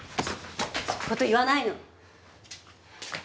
そんなこと言わないの！